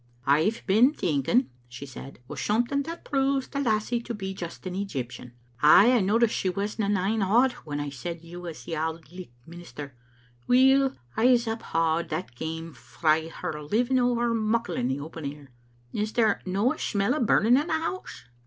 "I've been thinking," she said, "o' something that proves the lassie to be just an Egyptian. Ay, I noticed she wasna nane awed when I said you was the Auld Licht minister. Weel, Pse uphaud that came frae her living ower muckle in the open air. Is there no* a imell o* burning in the house?"